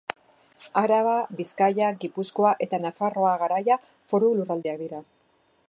Araba, Bizkaia, Gipuzkoa eta Nafarroa Garaia foru lurraldeak dira.